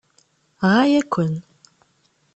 Ɣaya-ken!